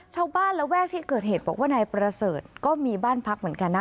ระแวกที่เกิดเหตุบอกว่านายประเสริฐก็มีบ้านพักเหมือนกันนะ